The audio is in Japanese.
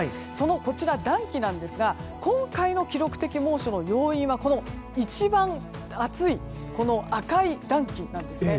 こちらの暖気ですが今回の記録的猛暑の要因はこの一番暑い赤い暖気なんですね。